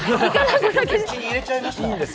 口に入れちゃいました。